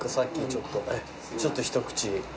ちょっと一口。